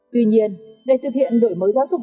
tuy nhiên để thực hiện đổi mới giáo dục